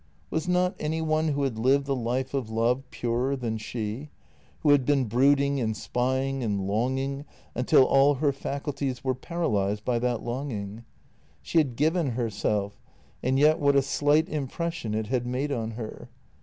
Was not any one who had lived the life of love purer than she, who had been brooding and spying and longing until all her faculties were paralysed by that longing? She had given herself — and yet what a slight impression it had made on her.